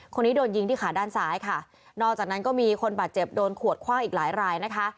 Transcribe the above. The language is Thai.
คนนี้โดนยิงที่ขาด้านซ้ายค่ะนอกจากนั้นก็มีคนบาดเจ็บโดนขวดคว่างอีกหลายรายนะคะ